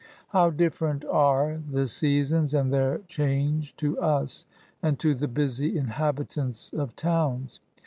How different are " the seasons, and their change," to us, and to the busy inhabitants of towns!